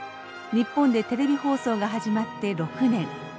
日本でテレビ放送が始まって６年。